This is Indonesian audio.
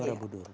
oke apalagi ya